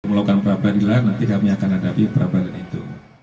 melakukan perabahan itu nanti kami akan hadapi perabahan itu